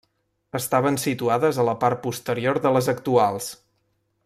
Estaven situades a la part posterior de les actuals.